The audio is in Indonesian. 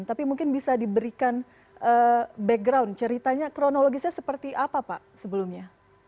tapi mungkin bisa diberikan background ceritanya kronologisnya seperti apa pak sebelumnya